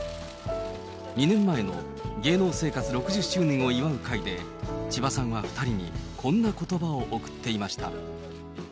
２年前の芸能生活６０周年を祝う会で、千葉さんは２人に、こんなことばを送っていました。